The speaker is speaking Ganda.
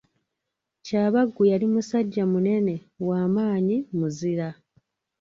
Kyabaggu yali musajja munene, wa maanyi muzira.